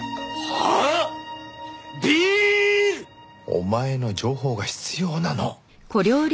お前の情報が必要なの！